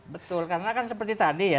betul karena kan seperti tadi ya